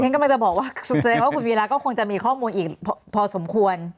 กำลังจะบอกว่าแสดงว่าคุณวีระก็คงจะมีข้อมูลอีกพอสมควร